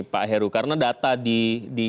pak heru karena data di